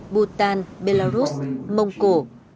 bhutan belarus mông cổ